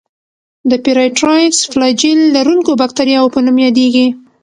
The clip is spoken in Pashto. د پېرایټرایکس فلاجیل لرونکو باکتریاوو په نوم یادیږي.